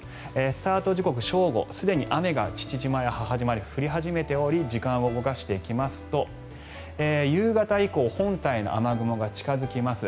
スタート時刻、正午すでに雨が父島や母島に降り始めており時間を動かしていきますと夕方以降、本体の雨雲が近付きます。